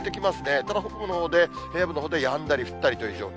ただ、北部のほうで、平野部のほうで、やんだり降ったりという状況。